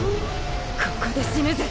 ここで死ぬぜ。